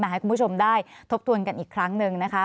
ให้คุณผู้ชมได้ทบทวนกันอีกครั้งหนึ่งนะคะ